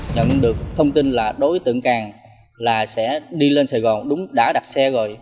nhận được thông tin là đối tượng càng sẽ đi lên sài gòn đúng đã đặt xe rồi